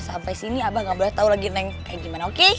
sampai sini abah gak boleh tahu lagi naik kayak gimana oke